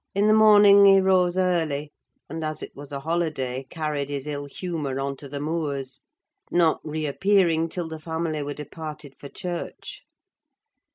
In the morning he rose early; and, as it was a holiday, carried his ill humour on to the moors; not re appearing till the family were departed for church.